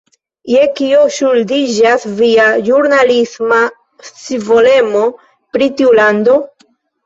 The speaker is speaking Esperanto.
Je kio ŝuldiĝas via ĵurnalisma scivolemo pri tiu lando?